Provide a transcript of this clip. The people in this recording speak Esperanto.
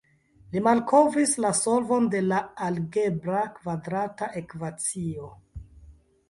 Li malkovris la solvon de la algebra kvadrata ekvacio.